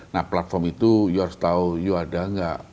nah platform itu you harus tahu you ada nggak